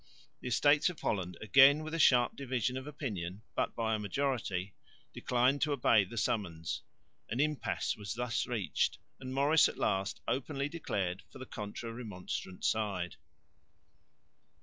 The Estates of Holland, again with a sharp division of opinion but by a majority, declined to obey the summons. An impasse was thus reached and Maurice at last openly declared for the Contra Remonstrant side.